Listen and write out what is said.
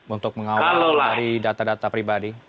untuk mengawal dari data data pribadi